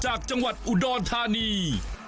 จากจังหวัดอุดรธานี